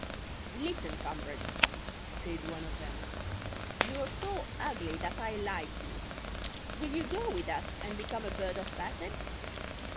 "Listen, comrade," said one of them. "You're so ugly that I like you. Will you go with us, and become a bird of passage?